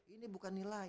ini bukan nilai